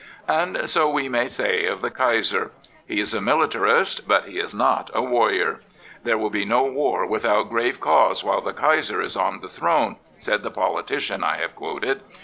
And so we may say of the Kaiser. He is a militarist, but he is not a warrior, " There will be no war with out grave cause while the Kaiser is on the throne," said the politician I have quoted.